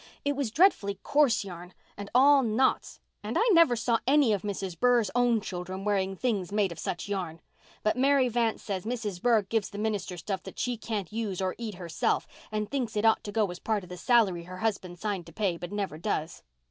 It was dreadfully coarse yarn and all knots, and I never saw any of Mrs. Burr's own children wearing things made of such yarn. But Mary Vance says Mrs. Burr gives the minister stuff that she can't use or eat herself, and thinks it ought to go as part of the salary her husband signed to pay, but never does.